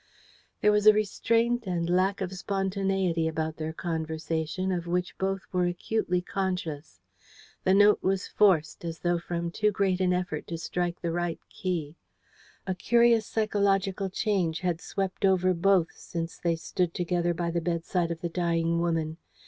There was a restraint and lack of spontaneity about their conversation of which both were acutely conscious. The note was forced, as though from too great an effort to strike the right key. A curious psychological change had swept over both since they stood together by the bedside of the dying woman.